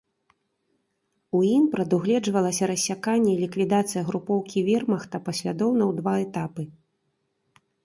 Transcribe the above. У ім прадугледжвалася рассяканне і ліквідацыя групоўкі вермахта паслядоўна ў два этапы.